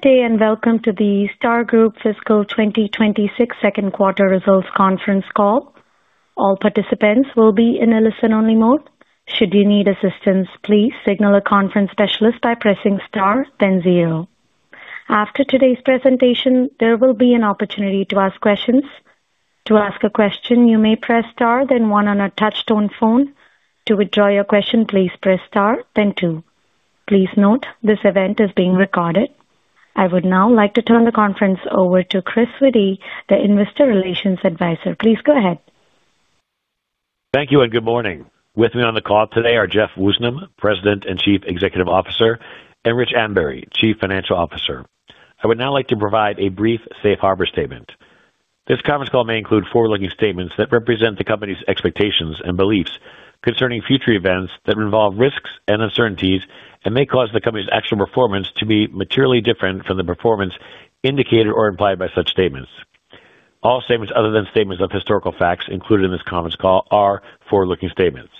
Good day, and welcome to the Star Group Fiscal 2026 second quarter results conference call. I would now like to turn the conference over to Chris Witty, the Investor Relations Advisor. Please go ahead. Thank you and good morning. With me on the call today are Jeffrey Woosnam, President and Chief Executive Officer, and Richard Ambury, Chief Financial Officer. I would now like to provide a brief safe harbor statement. This conference call may include forward-looking statements that represent the company's expectations and beliefs concerning future events that involve risks and uncertainties and may cause the company's actual performance to be materially different from the performance indicated or implied by such statements. All statements other than statements of historical facts included in this conference call are forward-looking statements.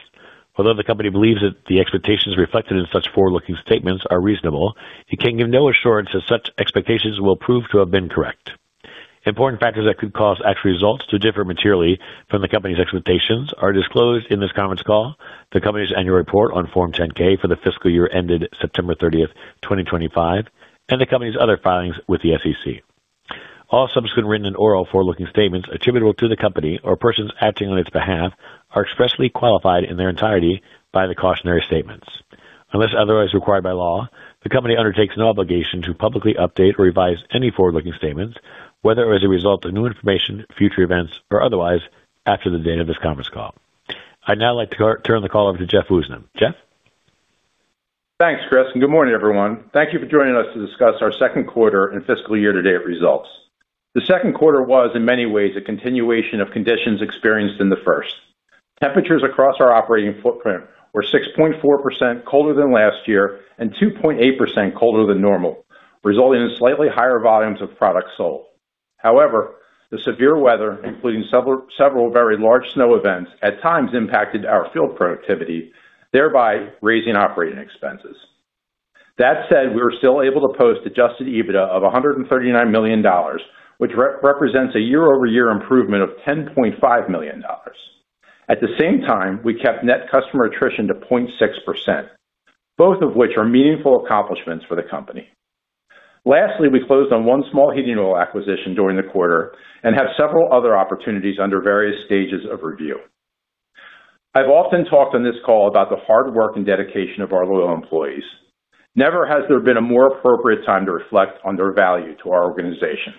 Although the company believes that the expectations reflected in such forward-looking statements are reasonable, it can give no assurance that such expectations will prove to have been correct. Important factors that could cause actual results to differ materially from the company's expectations are disclosed in this conference call, the company's annual report on Form 10-K for the fiscal year ended September 30, 2025, and the company's other filings with the SEC. All subsequent written and oral forward-looking statements attributable to the company or persons acting on its behalf are expressly qualified in their entirety by the cautionary statements. Unless otherwise required by law, the company undertakes no obligation to publicly update or revise any forward-looking statements, whether as a result of new information, future events, or otherwise, after the date of this conference call. I'd now like to turn the call over to Jeffrey Woosnam. Jeff? Thanks, Chris. Good morning, everyone. Thank you for joining us to discuss our second quarter and fiscal year to date results. The second quarter was, in many ways, a continuation of conditions experienced in the first. Temperatures across our operating footprint were 6.4% colder than last year and 2.8% colder than normal, resulting in slightly higher volumes of products sold. The severe weather, including several very large snow events, at times impacted our field productivity, thereby raising operating expenses. That said, we were still able to post adjusted EBITDA of $139 million, which represents a year-over-year improvement of $10.5 million. At the same time, we kept net customer attrition to 0.6%, both of which are meaningful accomplishments for the company. Lastly, we closed on 1 small heating oil acquisition during the quarter and have several other opportunities under various stages of review. I've often talked on this call about the hard work and dedication of our loyal employees. Never has there been a more appropriate time to reflect on their value to our organization.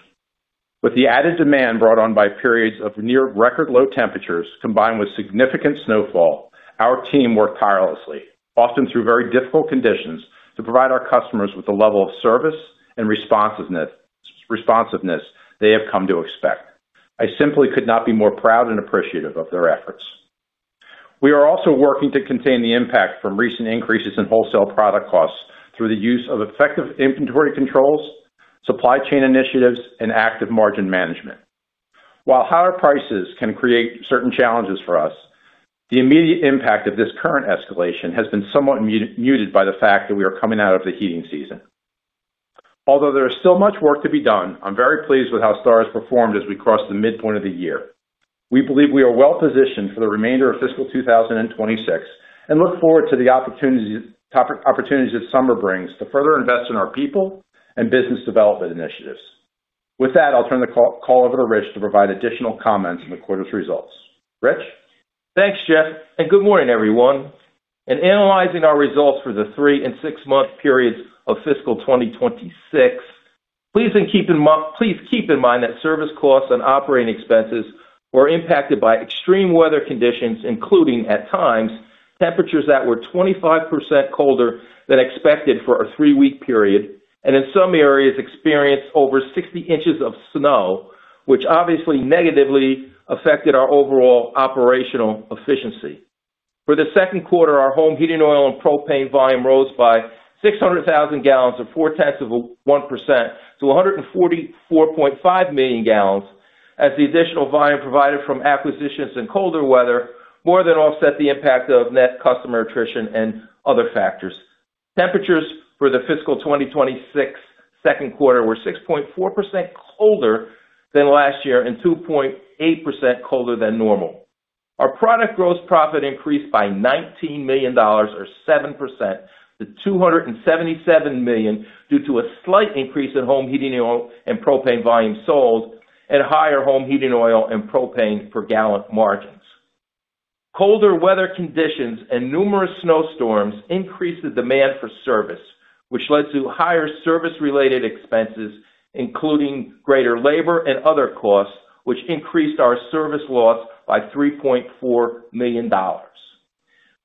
With the added demand brought on by periods of near record low temperatures combined with significant snowfall, our team worked tirelessly, often through very difficult conditions, to provide our customers with the level of service and responsiveness they have come to expect. I simply could not be more proud and appreciative of their efforts. We are also working to contain the impact from recent increases in wholesale product costs through the use of effective inventory controls, supply chain initiatives, and active margin management. While higher prices can create certain challenges for us, the immediate impact of this current escalation has been somewhat muted by the fact that we are coming out of the heating season. Although there is still much work to be done, I'm very pleased with how Star has performed as we cross the midpoint of the year. We believe we are well positioned for the remainder of fiscal 2026 and look forward to the opportunities that summer brings to further invest in our people and business development initiatives. With that, I'll turn the call over to Rich to provide additional comments on the quarter's results. Rich? Thanks, Jeff, and good morning, everyone. In analyzing our results for the three and six-month periods of fiscal 2026, please keep in mind that service costs and operating expenses were impacted by extreme weather conditions, including, at times, temperatures that were 25% colder than expected for a three-week period and in some areas experienced over 60 inches of snow, which obviously negatively affected our overall operational efficiency. For the second quarter, our home heating oil and propane volume rose by 600,000 gallons or 0.4% to 144.5 million gallons as the additional volume provided from acquisitions and colder weather more than offset the impact of net customer attrition and other factors. Temperatures for the fiscal 2026 second quarter were 6.4% colder than last year and 2.8% colder than normal. Our product gross profit increased by $19 million or 7% to $277 million due to a slight increase in home heating oil and propane volume sold and higher home heating oil and propane per gallon margins. Colder weather conditions and numerous snowstorms increased the demand for service, which led to higher service-related expenses, including greater labor and other costs, which increased our service loss by $3.4 million.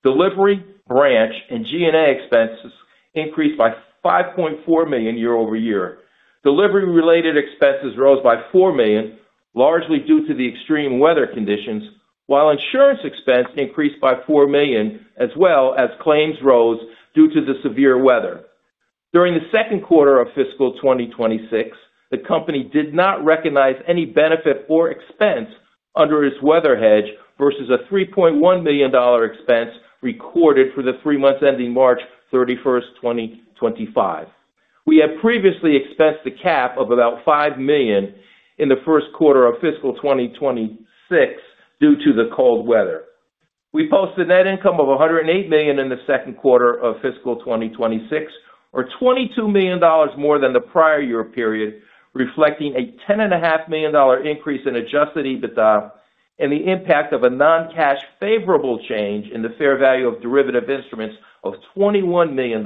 Delivery, branch, and G&A expenses increased by $5.4 million year-over-year. Delivery-related expenses rose by $4 million, largely due to the extreme weather conditions, while insurance expense increased by $4 million, as well as claims rose due to the severe weather. During the second quarter of fiscal 2026, the company did not recognize any benefit or expense under its weather hedge versus a $3.1 million expense recorded for the three months ending March 31, 2025. We have previously expensed a cap of about $5 million in the first quarter of fiscal 2026 due to the cold weather. We posted net income of $108 million in the second quarter of fiscal 2026, or $22 million more than the prior year period, reflecting a $10.5 million increase in adjusted EBITDA and the impact of a non-cash favorable change in the fair value of derivative instruments of $21 million,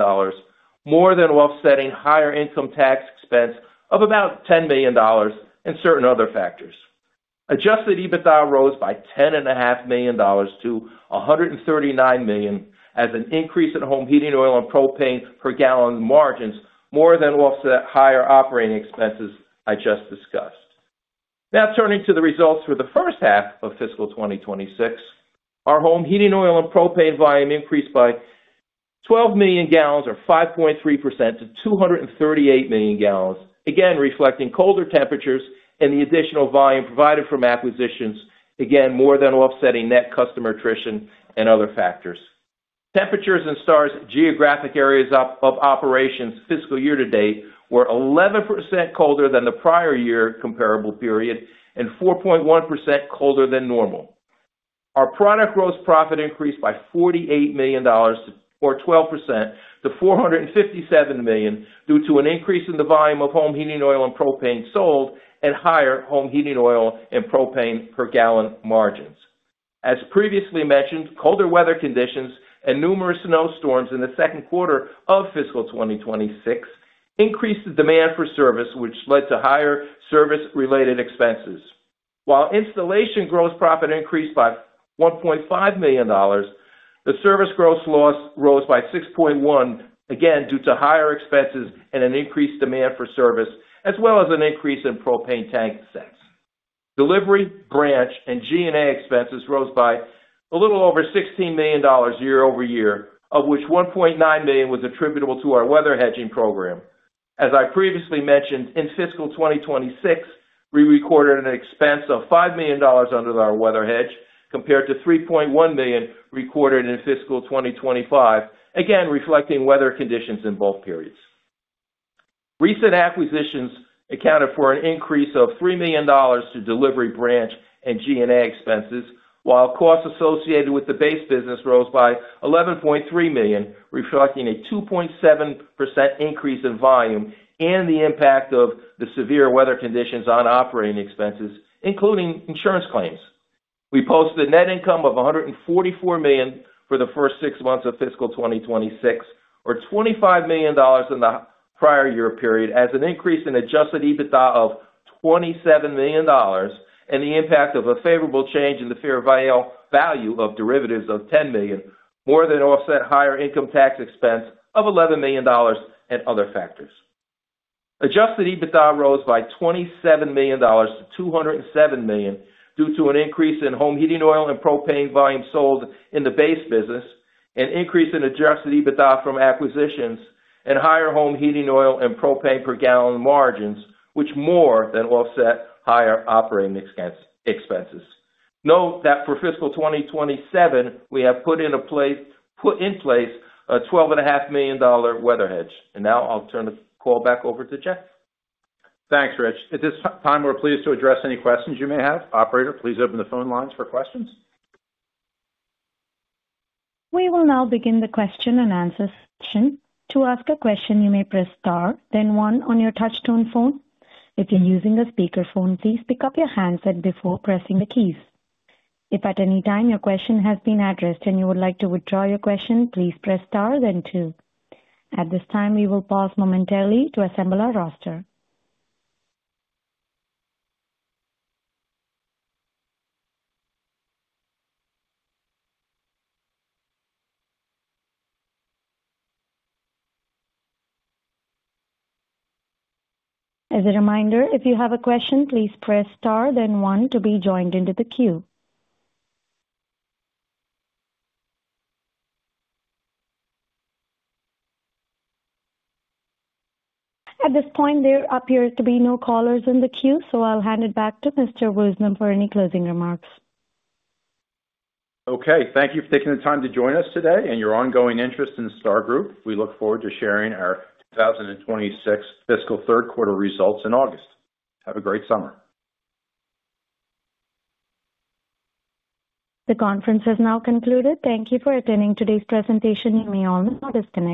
more than offsetting higher income tax expense of about $10 million and certain other factors. Adjusted EBITDA rose by ten and a half million dollars to $139 million as an increase in home heating oil and propane per gallon margins more than offset higher operating expenses I just discussed. Turning to the results for the first half of fiscal 2026. Our home heating oil and propane volume increased by 12 million gallons or 5.3% to 238 million gallons, again reflecting colder temperatures and the additional volume provided from acquisitions, again, more than offsetting net customer attrition and other factors. Temperatures in Star's geographic areas of operations fiscal year to date were 11% colder than the prior year comparable period and 4.1% colder than normal. Our product gross profit increased by $48 million or 12% to $457 million due to an increase in the volume of home heating oil and propane sold and higher home heating oil and propane per gallon margins. As previously mentioned, colder weather conditions and numerous snowstorms in the second quarter of fiscal 2026 increased the demand for service, which led to higher service-related expenses. While installation gross profit increased by $1.5 million, the service gross loss rose by $6.1, again, due to higher expenses and an increased demand for service, as well as an increase in propane tank sets. Delivery, branch, and G&A expenses rose by a little over $16 million year-over-year, of which $1.9 million was attributable to our weather hedging program. As I previously mentioned, in fiscal 2026, we recorded an expense of $5 million under our weather hedge compared to $3.1 million recorded in fiscal 2025, again reflecting weather conditions in both periods. Recent acquisitions accounted for an increase of $3 million to delivery branch and G&A expenses, while costs associated with the base business rose by $11.3 million, reflecting a 2.7% increase in volume and the impact of the severe weather conditions on operating expenses, including insurance claims. We posted net income of $144 million for the first six months of fiscal 2026 or $25 million in the prior year period as an increase in adjusted EBITDA of $27 million and the impact of a favorable change in the fair value of derivatives of $10 million more than offset higher income tax expense of $11 million and other factors. Adjusted EBITDA rose by $27 million to $207 million due to an increase in home heating oil and propane volume sold in the base business, an increase in adjusted EBITDA from acquisitions and higher home heating oil and propane per gallon margins, which more than offset higher operating expenses. Note that for fiscal 2027, we have put in place a twelve and a half million dollar weather hedge. Now I'll turn the call back over to Jeff. Thanks, Rich. At this time, we're pleased to address any questions you may have. Operator, please open the phone lines for questions. We will now begin the question and answer section. To ask a question, you may press star then one on your touch tone phone. If you're using a speakerphone, please pick up your handset before pressing the keys. If at any time your question has been addressed and you would like to withdraw your question, please press star then two. At this time, we will pause momentarily to assemble our roster. As a reminder, if you have a question, please press star then one to be joined into the queue. At this point, there appears to be no callers in the queue, so I'll hand it back to Mr. Woosnam for any closing remarks. Okay. Thank you for taking the time to join us today and your ongoing interest in Star Group. We look forward to sharing our 2026 fiscal third quarter results in August. Have a great summer. The conference has now concluded. Thank you for attending today's presentation. You may all disconnect.